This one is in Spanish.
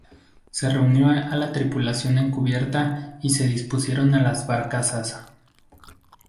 Se reunió a la tripulación en cubierta y se dispusieron las barcazas.